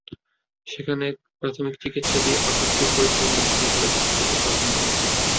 সেখানে প্রাথমিক চিকিৎসা দিয়ে আসাদকে ফরিদপুর মেডিকেল কলেজ হাসপাতালে পাঠানো হয়।